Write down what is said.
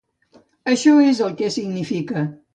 Això és el què significa!